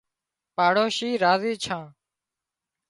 پاڙوشي راضي ڇان